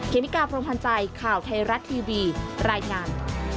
เมกาพรมพันธ์ใจข่าวไทยรัฐทีวีรายงาน